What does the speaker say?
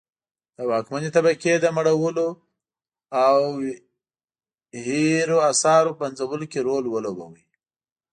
د واکمنې طبقې د مړولو او هي اثارو پنځولو کې رول ولوباوه.